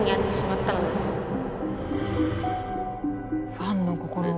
ファンの心を。